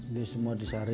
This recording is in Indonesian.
ini semua disari